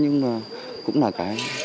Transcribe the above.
nhưng mà cũng là cái